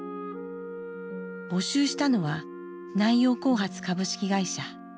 募集したのは南洋興発株式会社。